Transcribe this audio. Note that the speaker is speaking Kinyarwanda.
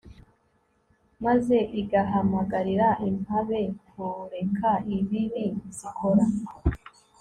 maze igahamagarira impabe kureka ibibi zikora